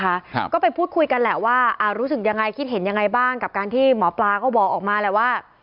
ครับก็ไปพูดคุยกันแหละว่าอ่ารู้สึกยังไงคิดเห็นยังไงบ้างกับการที่หมอปลาก็บอกออกมาแหละว่า